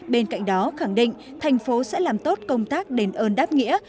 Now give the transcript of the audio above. bên cạnh đó khẳng định thành phố sẽ làm tốt công tác đền ơn đáp nghĩa